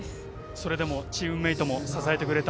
それでもチームメートも支えてくれた。